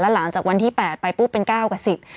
แล้วหลานจากวันที่๘ไปปุ๊บเป็น๙กับ๑๐